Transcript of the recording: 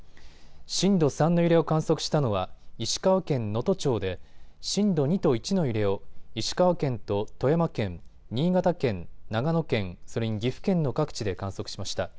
震度３の揺れを観測したのは石川県能登町で震度２と１の揺れを石川県と富山県、新潟県、長野県それに岐阜県の各地で観測しました。